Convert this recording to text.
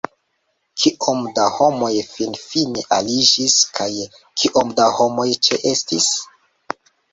Kiom da homoj finfine aliĝis, kaj kiom da homoj ĉeestis?